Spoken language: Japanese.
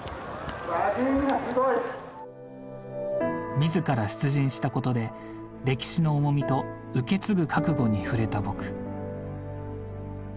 自ら出陣したことで歴史の重みと受け継ぐ覚悟に触れた僕。